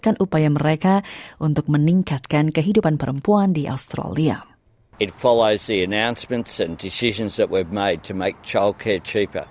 dan akan melanjutkan upaya mereka